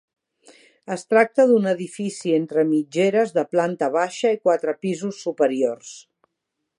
Es tracta d'un edifici entre mitgeres de planta baixa i quatre pisos superiors.